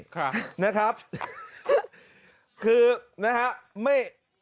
ครับนะครับคือนะครับไม่